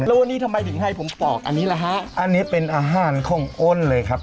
แล้ววันนี้ทำไมถึงให้ผมปอกอันนี้แหละฮะอันนี้เป็นอาหารของอ้นเลยครับ